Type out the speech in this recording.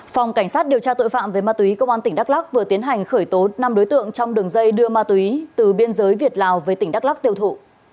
phòng cảnh sát điều tra tội phạm về ma túy công an tỉnh đắk lắc vừa tiến hành khởi tố năm đối tượng trong đường dây đưa ma túy từ biên giới việt lào về tỉnh đắk lắc tiêu thụ